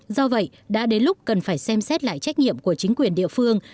do vậy đã đến lúc cần phải xem xét lại trách nhiệm của chính quyền địa phương